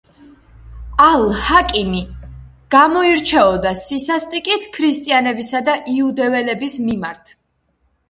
ალ-ჰაკიმი გამოირჩეოდა სისასტიკით ქრისტიანებისა და იუდეველების მიმართ.